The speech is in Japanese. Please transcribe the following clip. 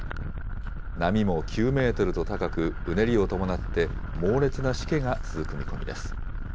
波も９メートルと高く、うねりを伴って猛烈なしけが続く見込みです。